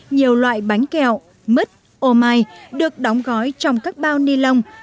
nhiều loại bánh kẹo mứt ô mai được đóng gói trong các bao ni lông